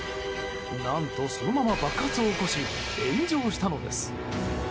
何と、そのまま爆発を起こし炎上したのです。